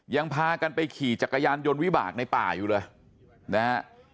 ยังพากันไปขี่จักรยานยนต์วิบากในป่าอยู่เลยนะฮะ